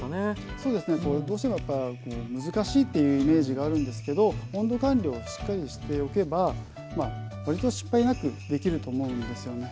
そうですねどうしても難しいというイメージがあるんですけど温度管理をしっかりしておけば割と失敗なくできると思うんですよね。